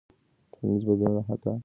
ټولنیز بدلونونه حتمي او ضروري دي.